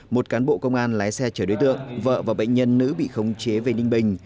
một cán bộ công an lái xe chở đối tượng vợ và bệnh nhân nữ bị khống chế về ninh bình